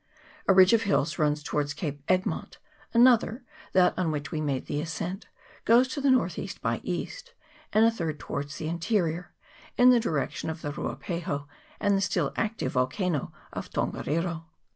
A ridge of hills runs towards Cape Egmont; another, that on which we made the ascent, goes to the north east by east, and a third towards the interior, in the direction of the Rua pahu and the still active volcano of Tongariro.